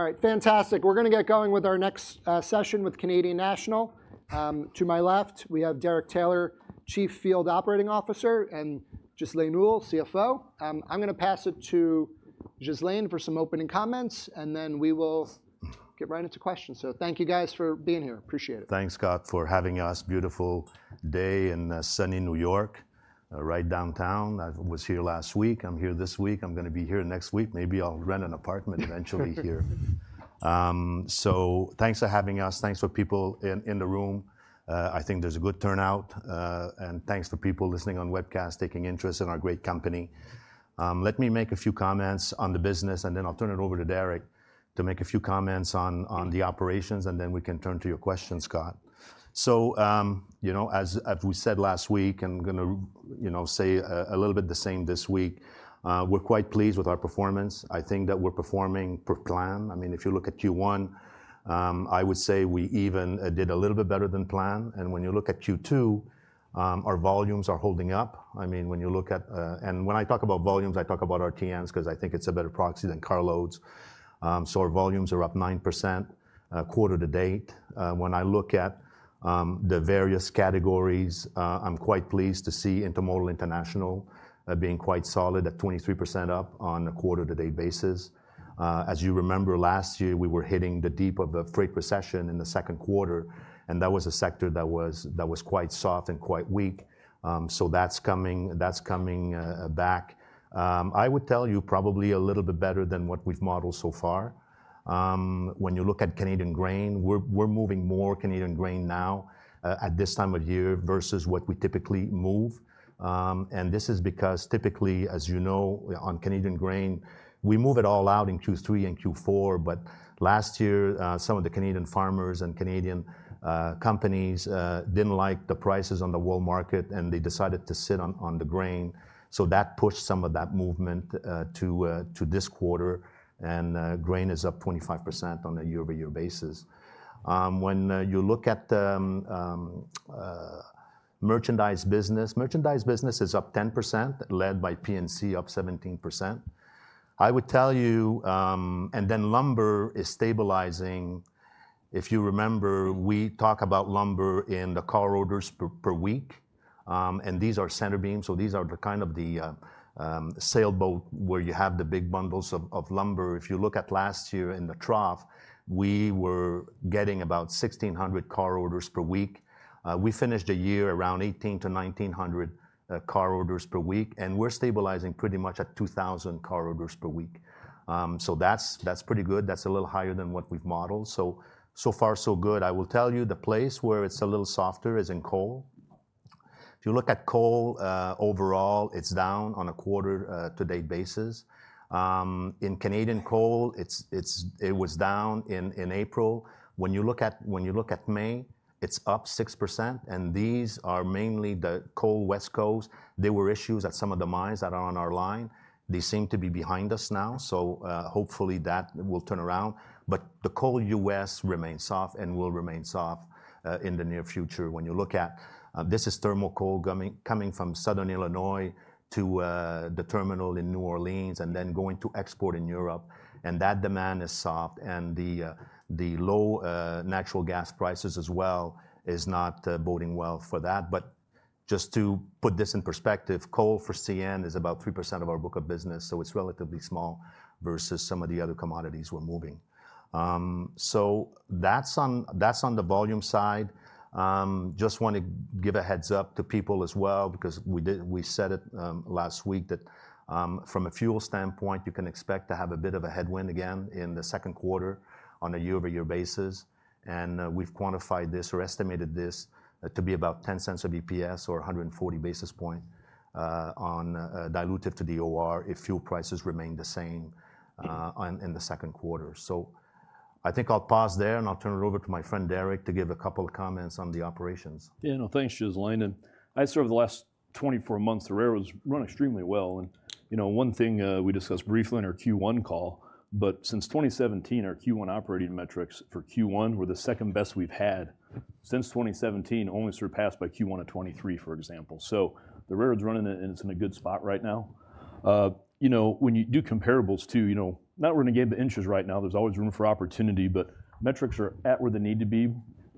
All right, fantastic. We're gonna get going with our next session with Canadian National. To my left, we have Derek Taylor, Chief Field Operating Officer, and Ghislain Houle, CFO. I'm gonna pass it to Ghislain for some opening comments, and then we will get right into questions. So thank you, guys, for being here. Appreciate it. Thanks, Scott, for having us. Beautiful day in sunny New York right downtown. I was here last week, I'm here this week, I'm gonna be here next week. Maybe I'll rent an apartment eventually here. So thanks for having us. Thanks for people in the room. I think there's a good turnout, and thanks for people listening on webcast, taking interest in our great company. Let me make a few comments on the business, and then I'll turn it over to Derek to make a few comments on the operations, and then we can turn to your questions, Scott. So, you know, as we said last week, I'm gonna you know, say a little bit the same this week, we're quite pleased with our performance. I think that we're performing per plan. I mean, if you look at Q1, I would say we even did a little bit better than planned. When you look at Q2, our volumes are holding up. I mean, when I talk about volumes, I talk about RTMs, 'cause I think it's a better proxy than carloads. So our volumes are up 9%, quarter-to-date. When I look at the various categories, I'm quite pleased to see Intermodal International being quite solid at 23% up on a quarter-to-date basis. As you remember, last year, we were hitting the depths of the freight recession in the Q2, and that was a sector that was quite soft and quite weak. So that's coming back. I would tell you, probably a little bit better than what we've modeled so far. When you look at Canadian grain, we're moving more Canadian grain now, at this time of year versus what we typically move. And this is because typically, as you know, on Canadian grain, we move it all out in Q3 and Q4, but last year, some of the Canadian farmers and Canadian companies didn't like the prices on the world market, and they decided to sit on the grain. So that pushed some of that movement to this quarter, and grain is up 25% on a year-over-year basis. When you look at the merchandise business, merchandise business is up 10%, led by P&C up 17%. I would tell you, and then lumber is stabilizing. If you remember, we talk about lumber in the car orders per week, and these are center beams, so these are the kind of the sailboat where you have the big bundles of lumber. If you look at last year in the trough, we were getting about 1,600 car orders per week. We finished the year around 1,800-1,900 car orders per week, and we're stabilizing pretty much at 2,000 car orders per week. So that's pretty good. That's a little higher than what we've modeled, so far, so good. I will tell you, the place where it's a little softer is in coal. If you look at coal, overall, it's down on a quarter to date basis. In Canadian coal, it was down in April. When you look at May, it's up 6%, and these are mainly the coal West Coast. There were issues at some of the mines that are on our line. They seem to be behind us now, so hopefully that will turn around. But the coal U.S. remains soft and will remain soft in the near future. When you look at this is thermal coal coming from Southern Illinois to the terminal in New Orleans, and then going to export in Europe, and that demand is soft. And the low natural gas prices as well is not boding well for that. But just to put this in perspective, coal for CN is about 3% of our book of business, so it's relatively small versus some of the other commodities we're moving. So that's on the volume side. Just want to give a heads-up to people as well, because we said it last week, that from a fuel standpoint, you can expect to have a bit of a headwind again in the Q2 on a year-over-year basis. We've quantified this or estimated this to be about $0.10 a EPS or 140 basis point on diluted to the OR if fuel prices remain the same in the Q2. I think I'll pause there, and I'll turn it over to my friend, Derek, to give a couple of comments on the operations. Yeah, no, thanks, Ghislain, and I'd say over the last 24 months, the railroad's run extremely well. You know, one thing we discussed briefly in our Q1 call, but since 2017, our Q1 operating metrics for Q1 were the second best we've had since 2017, only surpassed by Q1 of 2023, for example. So the railroad's running and it's in a good spot right now. You know, when you do comparables, too, you know, not we're gonna gain the inches right now, there's always room for opportunity, but metrics are at where they need to be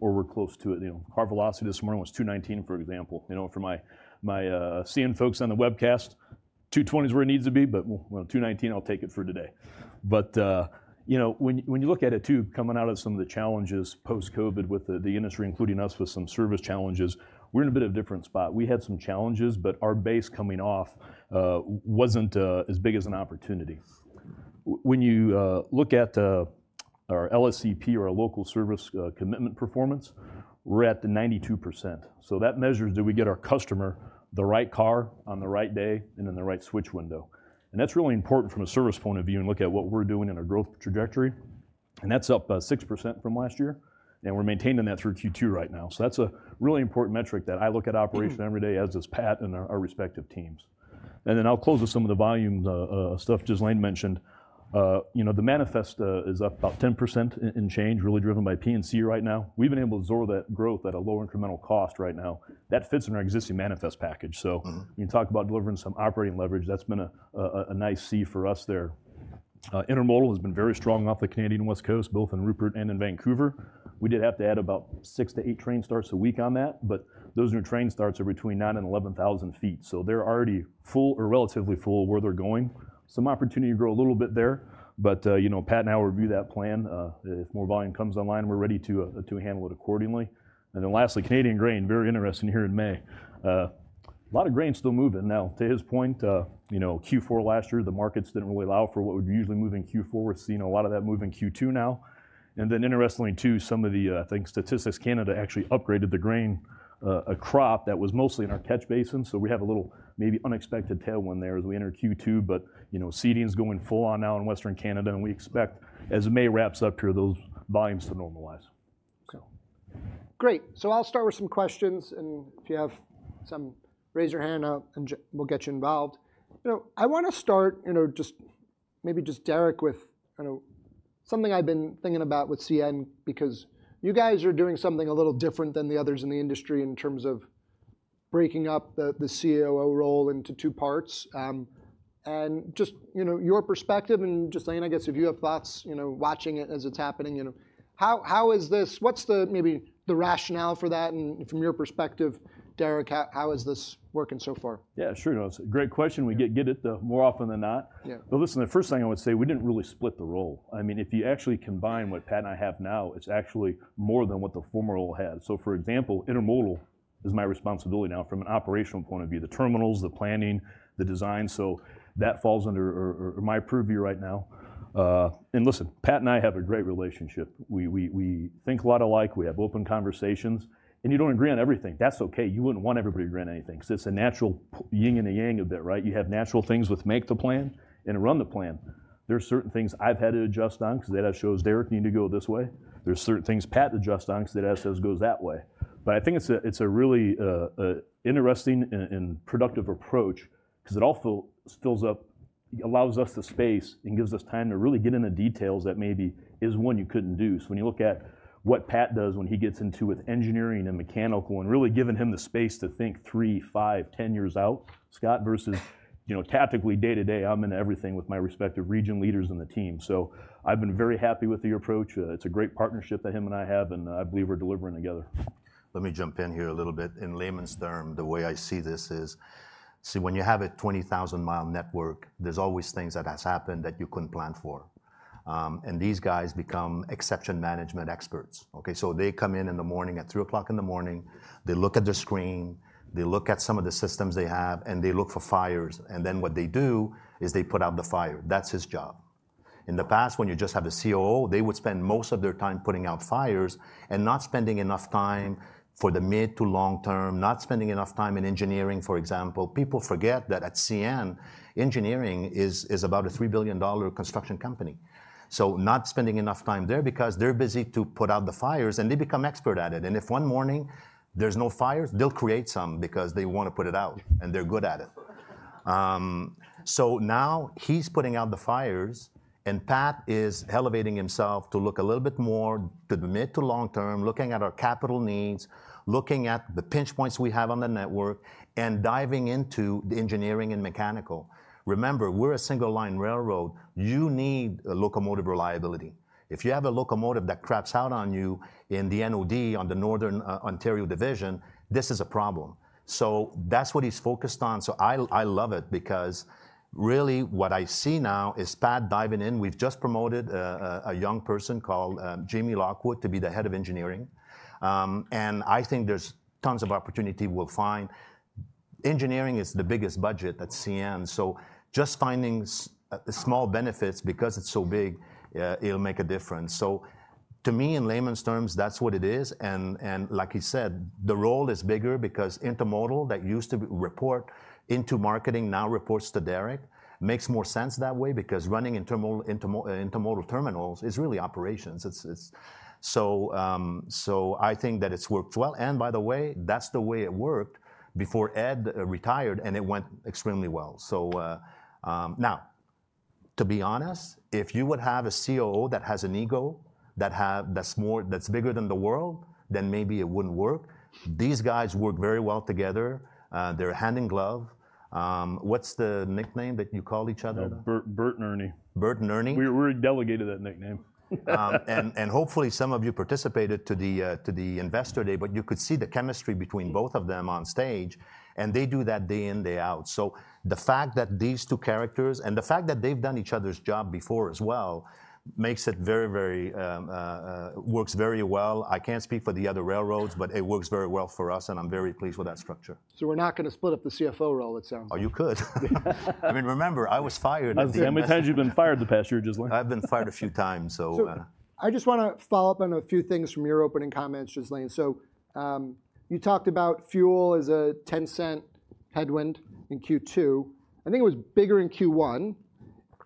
or we're close to it. You know, car velocity this morning was 219, for example. You know, for my CN folks on the webcast, 220 is where it needs to be, but well, 219, I'll take it for today. But, you know, when you, when you look at it, too, coming out of some of the challenges post-COVID with the, the industry, including us, with some service challenges, we're in a bit of a different spot. We had some challenges, but our base coming off wasn't as big as an opportunity. When you look at our LSCP or our Local Service Commitment Performance, we're at the 92%, so that measures, did we get our customer the right car on the right day and in the right switch window? And that's really important from a service point of view, and look at what we're doing in our growth trajectory, and that's up 6% from last year, and we're maintaining that through Q2 right now. So that's a really important metric that I look at operations every day, as does Pat and our respective teams. And then I'll close with some of the volume stuff Ghislain mentioned. You know, the manifest is up about 10% in change, really driven by P&C right now. We've been able to absorb that growth at a lower incremental cost right now. That fits in our existing manifest package, so- Mm-hmm... you talk about delivering some operating leverage, that's been a nice see for us there. Intermodal has been very strong off the Canadian west coast, both in Rupert and in Vancouver. We did have to add about 6-8 train starts a week on that, but those new train starts are between 9,000 and 11,000 feet, so they're already full or relatively full where they're going. Some opportunity to grow a little bit there, but you know, Pat and I will review that plan. If more volume comes online, we're ready to handle it accordingly. And then lastly, Canadian grain, very interesting here in May. A lot of grain still moving. Now, to his point, you know, Q4 last year, the markets didn't really allow for what would usually move in Q4. We're seeing a lot of that move in Q2 now. And then interestingly, too, some of the, I think Statistics Canada actually upgraded the grain, a crop that was mostly in our catch basin. So we have a little maybe unexpected tailwind there as we enter Q2, but, you know, seeding's going full on now in Western Canada, and we expect, as May wraps up here, those volumes to normalize, so. Great. So I'll start with some questions, and if you have some, raise your hand, and we'll get you involved. You know, I want to start, you know, just maybe just Derek, with kind of something I've been thinking about with CN, because you guys are doing something a little different than the others in the industry in terms of breaking up the, the COO role into two parts. And just, you know, your perspective, and Ghislain, I guess if you have thoughts, you know, watching it as it's happening, you know, how, how is this... What's the maybe the rationale for that? And from your perspective, Derek, how, how is this working so far? Yeah, sure, no, it's a great question. We get it the more often than not. Yeah. But listen, the first thing I would say, we didn't really split the role. I mean, if you actually combine what Pat and I have now, it's actually more than what the former role had. So, for example, intermodal is my responsibility now from an operational point of view, the terminals, the planning, the design, so that falls under or my purview right now. And listen, Pat and I have a great relationship. We think a lot alike, we have open conversations, and you don't agree on everything. That's okay. You wouldn't want everybody to agree on anything, because it's a natural yin and yang a bit, right? You have natural things with make the plan and run the plan. There are certain things I've had to adjust on because the data shows Derek, you need to go this way. There's certain things Pat had to adjust on because the data shows it goes that way. But I think it's a really interesting and productive approach because it also fills up... allows us the space and gives us time to really get into details that maybe is one you couldn't do. So when you look at what Pat does, when he gets into with engineering and mechanical and really giving him the space to think 3, 5, 10 years out, Scott, versus, you know, tactically, day-to-day, I'm into everything with my respective region leaders and the team. So I've been very happy with the approach. It's a great partnership that him and I have, and I believe we're delivering together. Let me jump in here a little bit. In layman's term, the way I see this is, see, when you have a 20,000-mile network, there's always things that has happened that you couldn't plan for. And these guys become exception management experts, okay? So they come in in the morning at 3:00 A.M., they look at the screen, they look at some of the systems they have, and they look for fires, and then what they do is they put out the fire. That's his job. In the past, when you just have a COO, they would spend most of their time putting out fires and not spending enough time for the mid to long term, not spending enough time in engineering, for example. People forget that at CN, engineering is, is about a $3 billion construction company. So not spending enough time there because they're busy to put out the fires, and they become expert at it, and if one morning there's no fires, they'll create some because they want to put it out, and they're good at it. So now he's putting out the fires, and Pat is elevating himself to look a little bit more to the mid to long term, looking at our capital needs, looking at the pinch points we have on the network, and diving into the engineering and mechanical. Remember, we're a single-line railroad. You need a locomotive reliability. If you have a locomotive that craps out on you in the NOD, on the Northern Ontario Division, this is a problem. So that's what he's focused on. So I love it because really what I see now is Pat diving in. We've just promoted a young person called Jamie Lockwood to be the head of engineering. And I think there's tons of opportunity we'll find. Engineering is the biggest budget at CN, so just finding small benefits, because it's so big, it'll make a difference. So to me, in layman's terms, that's what it is, and like he said, the role is bigger because intermodal, that used to report into marketing, now reports to Derek. Makes more sense that way because running intermodal terminals is really operations. It's. So I think that it's worked well, and by the way, that's the way it worked before Ed retired, and it went extremely well. So, now, to be honest, if you would have a COO that has an ego, that's more, that's bigger than the world, then maybe it wouldn't work. These guys work very well together. They're hand in glove. What's the nickname that you call each other? Bert, Bert and Ernie. Bert and Ernie? We were delegated that nickname. Hopefully some of you participated to the investor day, but you could see the chemistry between both of them on stage, and they do that day in, day out. The fact that these two characters, and the fact that they've done each other's job before as well, makes it very, very works very well. I can't speak for the other railroads, but it works very well for us, and I'm very pleased with that structure. We're not gonna split up the CFO role, it sounds like. Oh, you could. I mean, remember, I was fired as the investor- How many times you've been fired in the past year, Ghislain? I've been fired a few times, so I just want to follow up on a few things from your opening comments, Ghislain. So, you talked about fuel as a $0.10 headwind in Q2. I think it was bigger in Q1.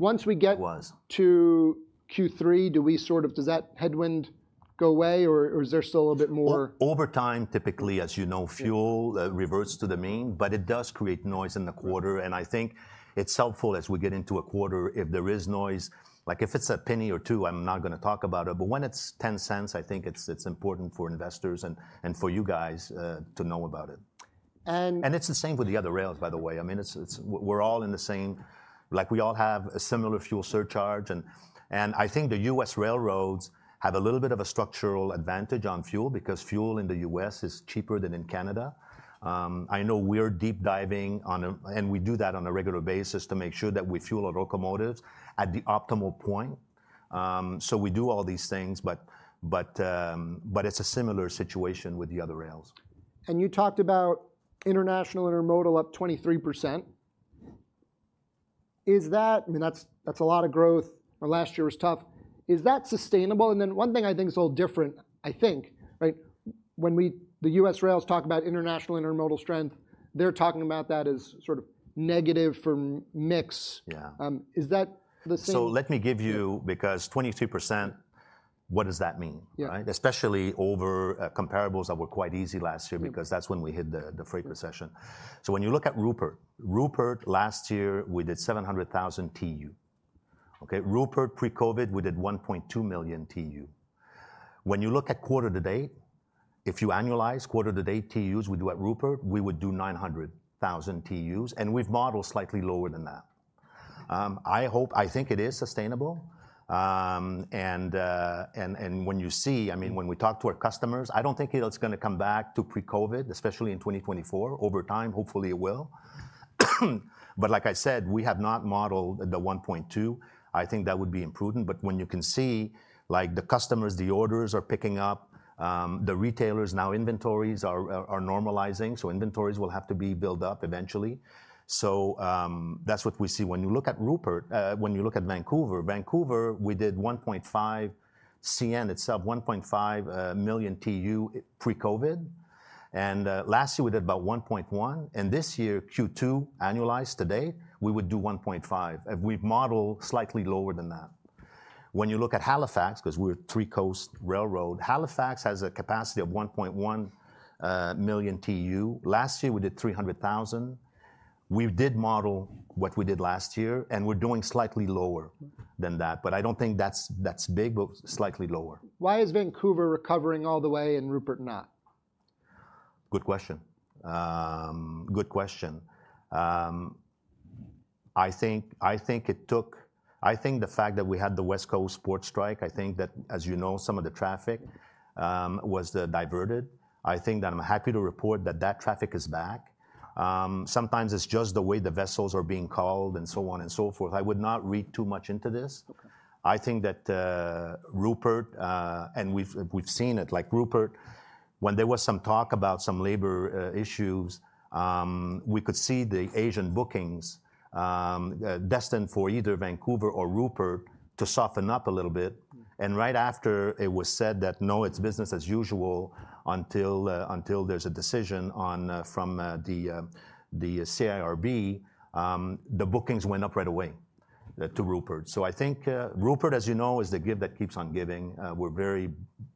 Once we get- It was... to Q3, do we sort of—does that headwind go away, or, or is there still a bit more? Over time, typically, as you know, fuel reverts to the mean, but it does create noise in the quarter, and I think it's helpful as we get into a quarter, if there is noise... Like, if it's $0.01 or $0.02, I'm not gonna talk about it, but when it's $0.10, I think it's important for investors and for you guys to know about it.... And it's the same with the other rails, by the way. I mean, it's, we're all in the same... Like, we all have a similar fuel surcharge, and I think the U.S. railroads have a little bit of a structural advantage on fuel because fuel in the U.S. is cheaper than in Canada. I know we're deep diving on and we do that on a regular basis to make sure that we fuel our locomotives at the optimal point. So we do all these things, but it's a similar situation with the other rails. And you talked about international intermodal up 23%. Is that... I mean, that's, that's a lot of growth, and last year was tough. Is that sustainable? And then one thing I think is a little different, I think, right, when we, the U.S. rails talk about international intermodal strength, they're talking about that as sort of negative for mix. Yeah. Is that the same? Let me give you, because 22%, what does that mean? Yeah. Right? Especially over comparables that were quite easy last year- Mm... because that's when we hit the freight recession. So when you look at Rupert, Rupert last year we did 700,000 TEU, okay? Rupert pre-Covid, we did 1.2 million TEU. When you look at quarter to date, if you annualize quarter to date TEUs we do at Rupert, we would do 900,000 TEUs, and we've modeled slightly lower than that. I hope... I think it is sustainable. and when you see, I mean, when we talk to our customers, I don't think it's gonna come back to pre-Covid, especially in 2024. Over time, hopefully it will. But like I said, we have not modeled the 1.2. I think that would be imprudent, but when you can see, like, the customers, the orders are picking up, the retailers now inventories are, are, are normalizing, so inventories will have to be built up eventually. So, that's what we see. When you look at Rupert, when you look at Vancouver, Vancouver, we did 1.5, CN itself, 1.5 million TEU pre-COVID, and, last year we did about 1.1, and this year, Q2, annualized to date, we would do 1.5, and we've modelled slightly lower than that. When you look at Halifax, 'cause we're a three-coast railroad, Halifax has a capacity of 1.1 million TEU. Last year we did 300,000. We did model what we did last year, and we're doing slightly lower than that, but I don't think that's, that's big, but slightly lower. Why is Vancouver recovering all the way and Rupert not? Good question. Good question. I think, I think it took. I think the fact that we had the West Coast port strike, I think that, as you know, some of the traffic was diverted. I think that I'm happy to report that that traffic is back. Sometimes it's just the way the vessels are being called and so on and so forth. I would not read too much into this. Okay. I think that Rupert, and we've, we've seen it, like Rupert, when there was some talk about some labor issues, we could see the Asian bookings destined for either Vancouver or Rupert to soften up a little bit. Mm. And right after, it was said that, "No, it's business as usual until there's a decision from the CIRB," the bookings went up right away to Rupert. So I think Rupert, as you know, is the gift that keeps on giving. We're very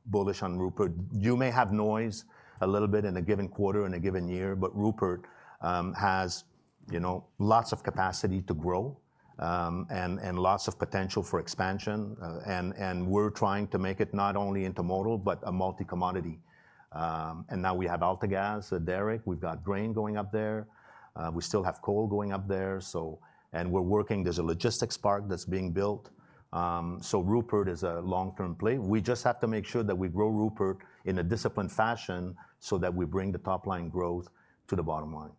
bullish on Rupert. You may have noise a little bit in a given quarter in a given year, but Rupert has, you know, lots of capacity to grow and lots of potential for expansion. And we're trying to make it not only intermodal but a multi-commodity. And now we have AltaGas with Derek. We've got grain going up there. We still have coal going up there, so... And we're working, there's a logistics park that's being built. So Rupert is a long-term play. We just have to make sure that we grow Rupert in a disciplined fashion so that we bring the top line growth to the bottom line.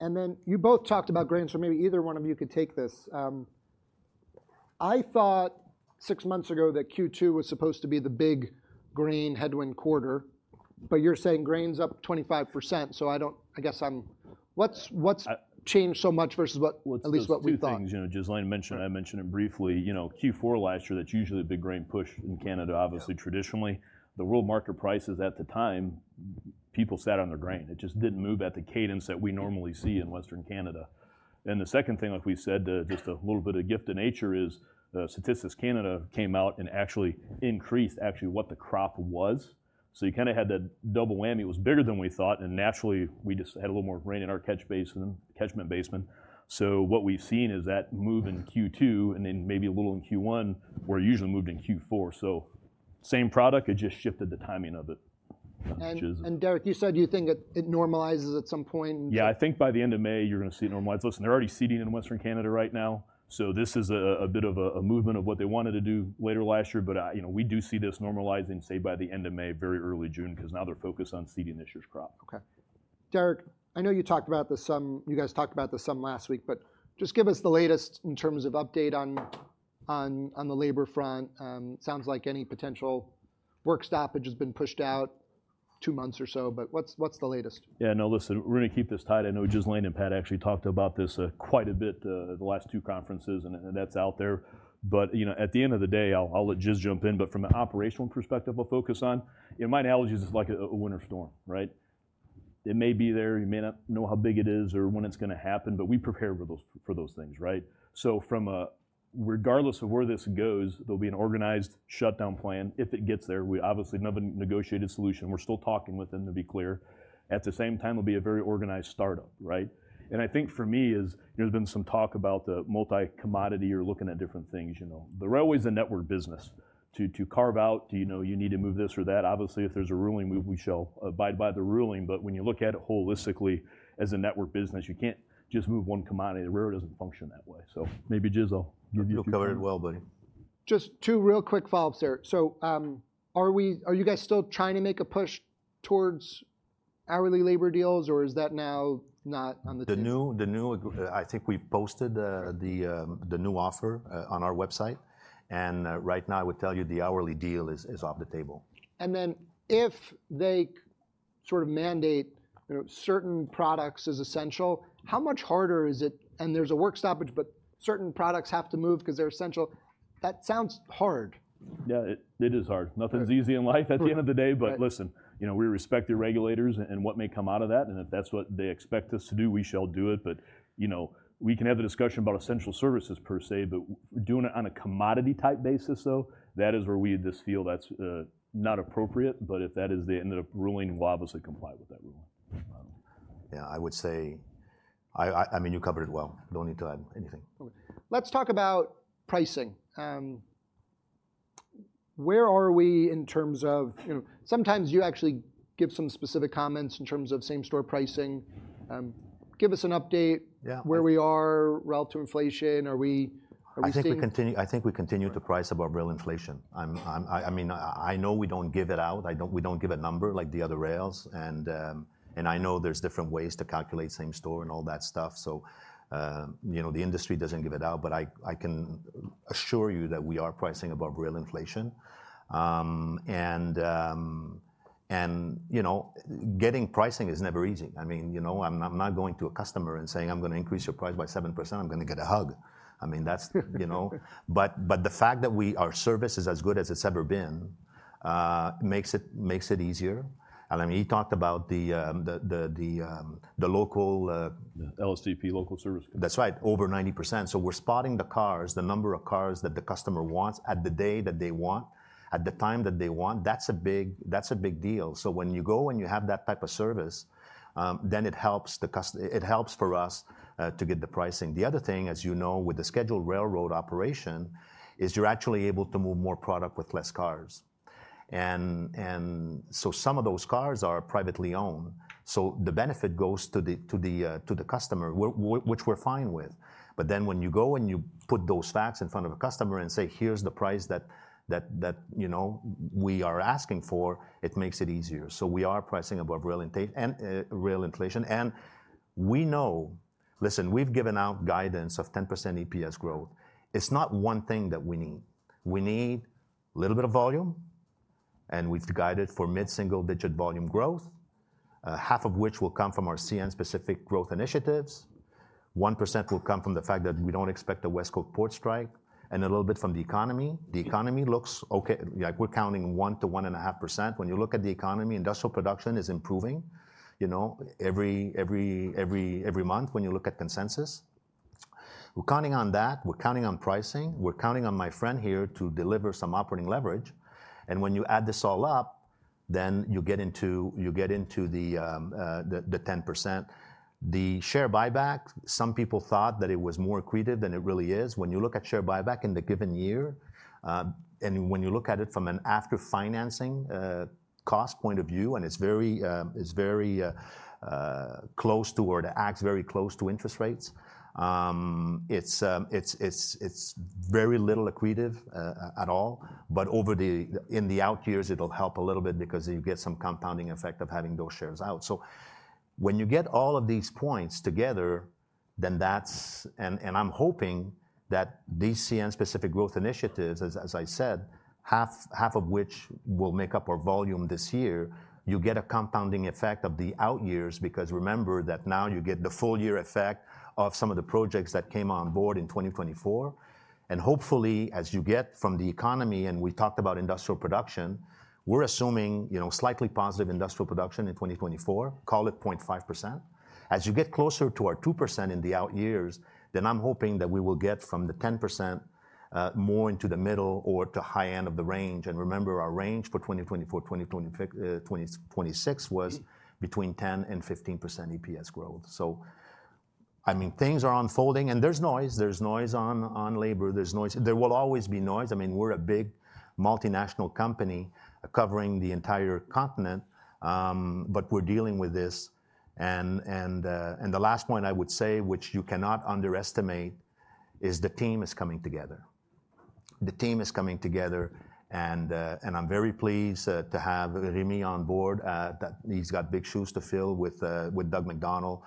And then you both talked about grains, so maybe either one of you could take this. I thought six months ago that Q2 was supposed to be the big grain headwind quarter, but you're saying grain's up 25%, so I don't... I guess I'm... What's, what's- I- Changed so much versus what, at least what we thought? Well, it's two things. You know, Ghislain mentioned, I mentioned it briefly, you know, Q4 last year, that's usually a big grain push in Canada. Yeah. Obviously, traditionally, the world market prices at the time, people sat on their grain. It just didn't move at the cadence that we normally see in Western Canada. And the second thing, like we said, just a little bit of gift of nature is, Statistics Canada came out and actually increased what the crop was, so you kind of had that double whammy. It was bigger than we thought, and naturally, we just had a little more rain in our catch basin. So what we've seen is that move in Q2, and then maybe a little in Q1, where it usually moved in Q4. So same product, it just shifted the timing of it, which is- And Derek, you said you think it normalizes at some point? Yeah, I think by the end of May, you're gonna see it normalize. Listen, they're already seeding in Western Canada right now, so this is a bit of a movement of what they wanted to do later last year, but, you know, we do see this normalizing, say, by the end of May, very early June, 'cause now they're focused on seeding this year's crop. Okay. Derek, I know you talked about this some... You guys talked about this some last week, but just give us the latest in terms of update on the labor front. Sounds like any potential work stoppage has been pushed out two months or so, but what's the latest? Yeah, no, listen, we're gonna keep this tight. I know Ghislain and Patrick actually talked about this quite a bit at the last two conferences, and that's out there. But, you know, at the end of the day, I'll let Ghislain jump in, but from an operational perspective, I'll focus on, you know, my analogy is it's like a winter storm, right? It may be there, you may not know how big it is or when it's gonna happen, but we prepare for those things, right? So from a... Regardless of where this goes, there'll be an organized shutdown plan if it gets there. We obviously have a negotiated solution. We're still talking with them, to be clear. At the same time, it'll be a very organized startup, right? I think for me is, there's been some talk about the multi-commodity or looking at different things, you know. The railway is a network business. To carve out, you know, you need to move this or that, obviously, if there's a ruling, we shall abide by the ruling, but when you look at it holistically as a network business, you can't just move one commodity. The railroad doesn't function that way. So maybe Ghislain will give you- You covered it well, buddy. Just two real quick follow-ups there. So, are you guys still trying to make a push towards hourly labor deals, or is that now not on the table? The new, I think we've posted the new offer on our website, and right now I would tell you the hourly deal is off the table. And then if they sort of mandate, you know, certain products as essential, how much harder is it, and there's a work stoppage, but certain products have to move 'cause they're essential? That sounds hard. Yeah, it is hard. Nothing's easy in life at the end of the day- Right... but listen, you know, we respect the regulators and what may come out of that, and if that's what they expect us to do, we shall do it. But, you know, we can have the discussion about essential services per se, but doing it on a commodity-type basis though, that is where we just feel that's not appropriate. But if that is the end of ruling, we'll obviously comply with that ruling. Yeah, I would say, I mean, you covered it well. No need to add anything. Okay, let's talk about pricing. Where are we in terms of, you know, sometimes you actually give some specific comments in terms of same-store pricing. Give us an update- Yeah... where we are relative to inflation. Are we, are we seeing- I think we continue to price above real inflation. I mean, I know we don't give it out. We don't give a number like the other rails, and I know there's different ways to calculate same store and all that stuff, so, you know, the industry doesn't give it out. But I can assure you that we are pricing above real inflation. And, you know, getting pricing is never easy. I mean, you know, I'm not going to a customer and saying, "I'm going to increase your price by 7%," I'm going to get a hug. I mean, that's-... you know? But the fact that our service is as good as it's ever been makes it easier. And I mean, he talked about the local- Yeah, LSCP, Local Service Commitment Performance. That's right, over 90%. So we're spotting the cars, the number of cars that the customer wants at the day that they want, at the time that they want. That's a big, that's a big deal. So when you go and you have that type of service, then it helps it helps for us to get the pricing. The other thing, as you know, with the scheduled railroad operation, is you're actually able to move more product with less cars. And, and so some of those cars are privately owned, so the benefit goes to the, to the customer, which we're fine with. But then when you go and you put those facts in front of a customer and say, "Here's the price that, that, that, you know, we are asking for," it makes it easier. So we are pricing above real inflation, and we know... Listen, we've given out guidance of 10% EPS growth. It's not one thing that we need. We need a little bit of volume, and we've guided for mid-single-digit volume growth, half of which will come from our CN specific growth initiatives. 1% will come from the fact that we don't expect a West Coast port strike, and a little bit from the economy. The economy looks okay, like we're counting 1%-1.5%. When you look at the economy, industrial production is improving, you know, every month when you look at consensus. We're counting on that, we're counting on pricing, we're counting on my friend here to deliver some operating leverage, and when you add this all up, then you get into the 10%. The share buyback, some people thought that it was more accretive than it really is. When you look at share buyback in the given year, and when you look at it from an after-financing cost point of view, and it's very close to or it acts very close to interest rates, it's very little accretive at all. But over the in the out years, it'll help a little bit because you get some compounding effect of having those shares out. So when you get all of these points together, then that's... And I'm hoping that these CN specific growth initiatives, as I said, half of which will make up our volume this year, you get a compounding effect of the out years. Because remember that now you get the full year effect of some of the projects that came on board in 2024, and hopefully, as you get from the economy, and we talked about industrial production, we're assuming, you know, slightly positive industrial production in 2024, call it 0.5%. As you get closer to our 2% in the out years, then I'm hoping that we will get from the 10%, more into the middle or to high end of the range. And remember, our range for 2024, 2025, 2026 was between 10%-15% EPS growth. So I mean, things are unfolding and there's noise, there's noise on, on labor, there's noise. There will always be noise. I mean, we're a big multinational company covering the entire continent, but we're dealing with this. And the last point I would say, which you cannot underestimate, is the team is coming together. The team is coming together, and I'm very pleased to have Rémi on board. That he's got big shoes to fill with Doug MacDonald,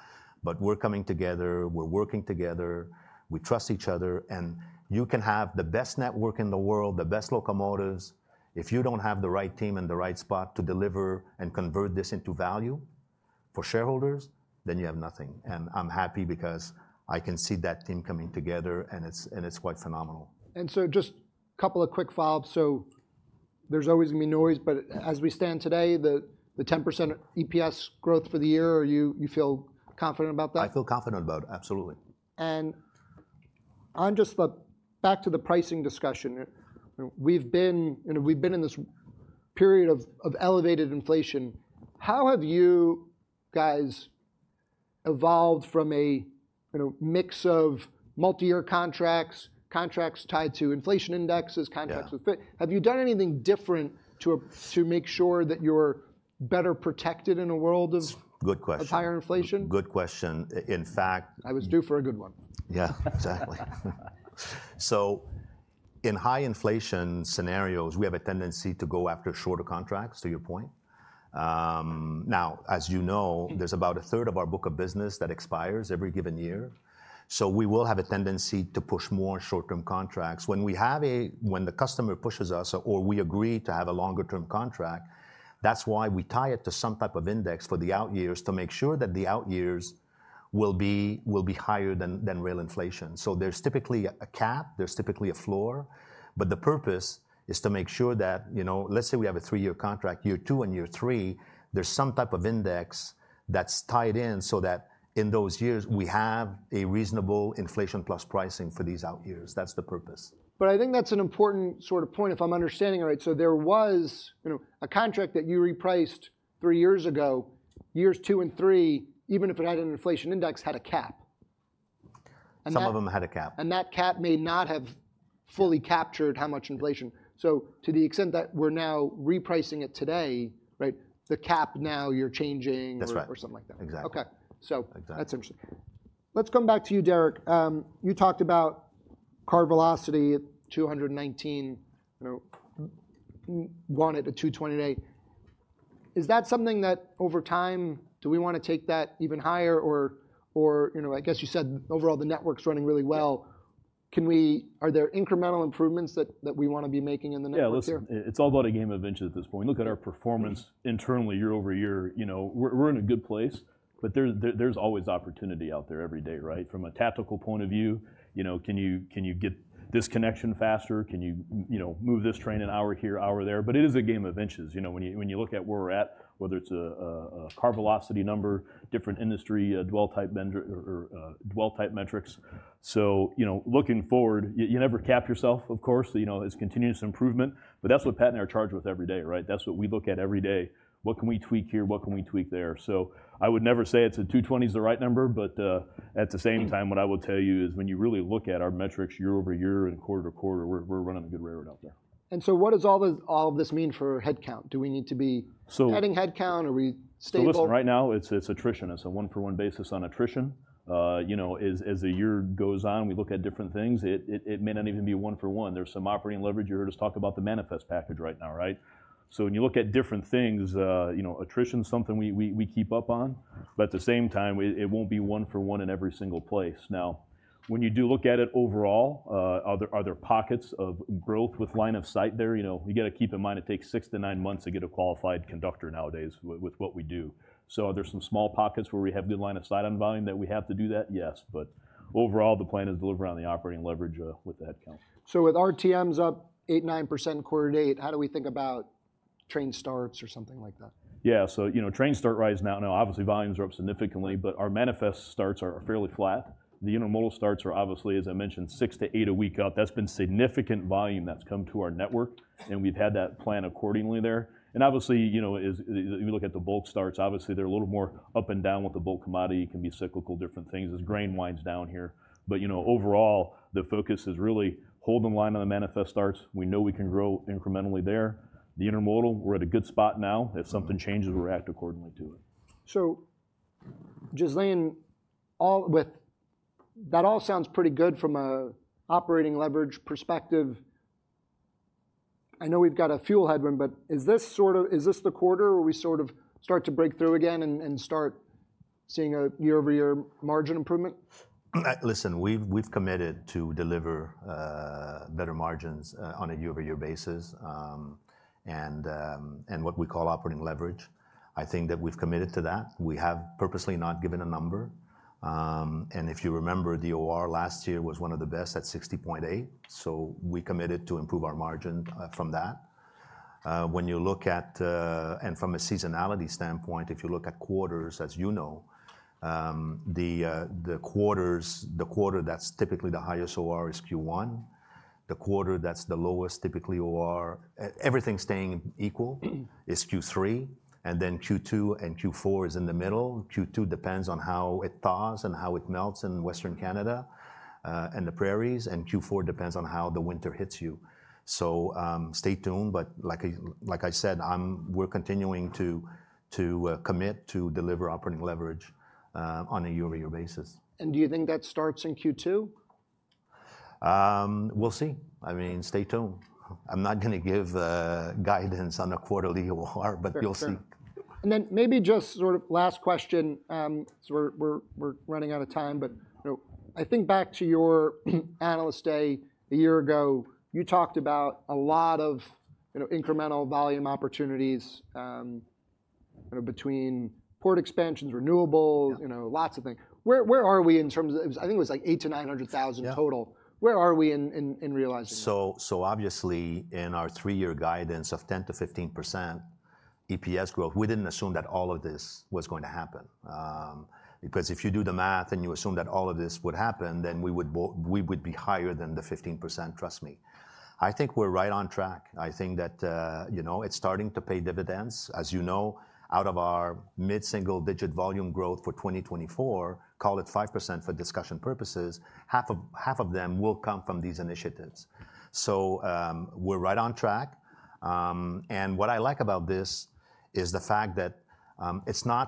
but we're coming together, we're working together, we trust each other. And you can have the best network in the world, the best locomotives; if you don't have the right team in the right spot to deliver and convert this into value for shareholders, then you have nothing. And I'm happy because I can see that team coming together, and it's quite phenomenal. Just a couple of quick follows. There's always going to be noise, but as we stand today, the 10% EPS growth for the year, do you feel confident about that? I feel confident about it, absolutely. On just the back to the pricing discussion, we've been in this period of elevated inflation. How have you guys evolved from a, you know, mix of multi-year contracts, contracts tied to inflation indexes? Yeah... contracts with fit? Have you done anything different to, to make sure that you're better protected in a world of- Good question... of higher inflation? Good question. In fact, I was due for a good one. Yeah, exactly. So in high inflation scenarios, we have a tendency to go after shorter contracts, to your point. Now, as you know, there's about a third of our book of business that expires every given year, so we will have a tendency to push more short-term contracts. When we have, when the customer pushes us or we agree to have a longer-term contract, that's why we tie it to some type of index for the out years to make sure that the out years will be, will be higher than, than real inflation. So there's typically a cap, there's typically a floor, but the purpose is to make sure that, you know, let's say we have a 3-year contract, year 2 and year 3, there's some type of index that's tied in so that in those years we have a reasonable inflation plus pricing for these out years. That's the purpose. But I think that's an important sort of point, if I'm understanding it right. So there was, you know, a contract that you repriced three years ago, years two and three, even if it had an inflation index, had a cap, and that- Some of them had a cap. That cap may not have fully captured how much inflation. To the extent that we're now repricing it today, right, the cap now you're changing- That's right... or something like that. Exactly. Okay. So- Exactly. That's interesting. Let's come back to you, Derek. You talked about car velocity, 219, you know, want it at 228. Is that something that over time do we want to take that even higher or, you know, I guess you said overall the network's running really well. Are there incremental improvements that we want to be making in the network here? Yeah, listen, it's all about a game of inches at this point. Look at our performance internally, year-over-year, you know, we're in a good place, but there's always opportunity out there every day, right? From a tactical point of view, you know, can you get this connection faster? Can you, you know, move this train an hour here, hour there? But it is a game of inches. You know, when you look at where we're at, whether it's a car velocity number, different industry, a dwell type vendor or dwell type metrics. So, you know, looking forward, you never cap yourself, of course, you know, it's continuous improvement, but that's what Pat and I are charged with every day, right? That's what we look at every day. What can we tweak here? What can we tweak there? So I would never say it's a 220 is the right number, but, at the same time, what I will tell you is when you really look at our metrics year-over-year and quarter-over-quarter, we're running a good railroad out there. And so what does all this, all of this mean for headcount? Do we need to be- So-... cutting headcount? Are we stable? So listen, right now it's attrition. It's a one-for-one basis on attrition. You know, as the year goes on, we look at different things. It may not even be a one-for-one. There's some operating leverage. You heard us talk about the manifest package right now, right? So when you look at different things, you know, attrition is something we keep up on, but at the same time, it won't be one-for-one in every single place. Now, when you do look at it overall, are there pockets of growth with line of sight there? You know, we gotta keep in mind it takes 6-9 months to get a qualified conductor nowadays with what we do. So there's some small pockets where we have good line of sight on volume that we have to do that, yes. But overall, the plan is deliver on the operating leverage, with the headcount. So with RTMs up 8%-9% in quarter to date, how do we think about train starts or something like that? Yeah. So, you know, train starts rising now. Now, obviously, volumes are up significantly, but our manifest starts are fairly flat. The intermodal starts are obviously, as I mentioned, 6-8 a week up. That's been significant volume that's come to our network, and we've had to plan accordingly there. And obviously, you know, as you look at the bulk starts, obviously they're a little more up and down with the bulk commodity. It can be cyclical, different things as grain winds down here. But, you know, overall, the focus is really holding the line on the manifest starts. We know we can grow incrementally there. The intermodal, we're at a good spot now. If something changes, we'll react accordingly to it. So, Ghislain, all with that all sounds pretty good from an operating leverage perspective. I know we've got a fuel headwind, but is this sort of... Is this the quarter where we sort of start to break through again and, and start seeing a year-over-year margin improvement? Listen, we've committed to deliver better margins on a year-over-year basis, and what we call operating leverage. I think that we've committed to that. We have purposely not given a number. And if you remember, the OR last year was one of the best at 60.8, so we committed to improve our margin from that. When you look at and from a seasonality standpoint, if you look at quarters, as you know, the quarters, the quarter that's typically the highest OR is Q1. The quarter that's the lowest, typically OR, everything staying equal, is Q3, and then Q2 and Q4 is in the middle. Q2 depends on how it thaws and how it melts in Western Canada and the prairies, and Q4 depends on how the winter hits you. Stay tuned, but like I said, we're continuing to commit to deliver operating leverage on a year-over-year basis. Do you think that starts in Q2? We'll see. I mean, stay tuned. I'm not gonna give guidance on a quarterly OR, but you'll see. Sure. Sure. And then maybe just sort of last question, so we're running out of time, but, you know, I think back to your Analyst Day a year ago, you talked about a lot of, you know, incremental volume opportunities, you know, between port expansions, renewables- Yeah... you know, lots of things. Where are we in terms of, I think it was like 800,000-900,000 total. Yeah. Where are we in realizing this? So obviously, in our three-year guidance of 10%-15% EPS growth, we didn't assume that all of this was going to happen. Because if you do the math and you assume that all of this would happen, then we would be higher than the 15%, trust me. I think we're right on track. I think that, you know, it's starting to pay dividends. As you know, out of our mid-single-digit volume growth for 2024, call it 5% for discussion purposes, half of them will come from these initiatives. So, we're right on track. And what I like about this is the fact that,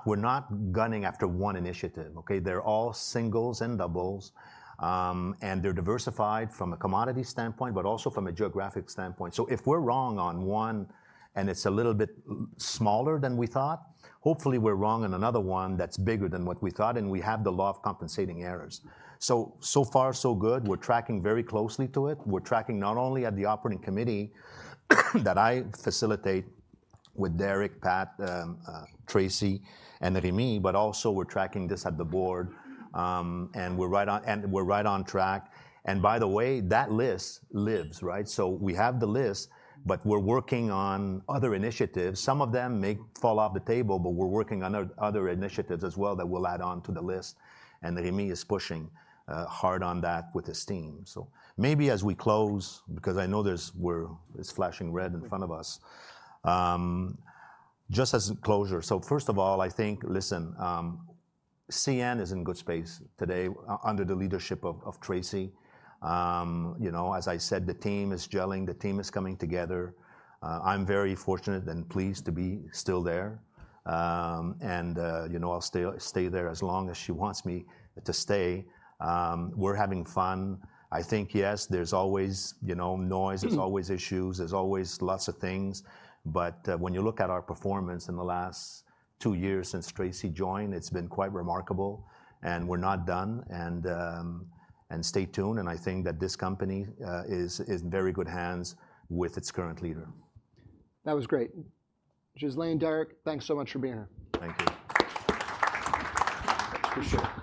we're not gunning after one initiative, okay? They're all singles and doubles, and they're diversified from a commodity standpoint, but also from a geographic standpoint. So if we're wrong on one, and it's a little bit smaller than we thought, hopefully, we're wrong on another one that's bigger than what we thought, and we have the law of compensating errors. So, so far, so good. We're tracking very closely to it. We're tracking not only at the operating committee, that I facilitate with Derek, Pat, Tracy, and Rémi, but also we're tracking this at the board. And we're right on, and we're right on track, and by the way, that list lives, right? So we have the list, but we're working on other initiatives. Some of them may fall off the table, but we're working on other initiatives as well that we'll add on to the list, and Rémi is pushing hard on that with his team. So maybe as we close, because I know it's flashing red in front of us. Just as a closure, so first of all, I think, listen, CN is in a good space today under the leadership of Tracy. You know, as I said, the team is gelling, the team is coming together. I'm very fortunate and pleased to be still there. And, you know, I'll stay there as long as she wants me to stay. We're having fun. I think, yes, there's always, you know, noise. There's always issues, there's always lots of things, but when you look at our performance in the last two years since Tracy joined, it's been quite remarkable, and we're not done, and stay tuned, and I think that this company is in very good hands with its current leader. That was great. Ghislain, Derek, thanks so much for being here. Thank you. Appreciate it. Thank you.